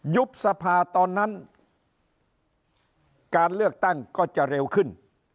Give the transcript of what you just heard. ยุบสภาตอนนั้นการเลือกตั้งก็จะเร็วขึ้น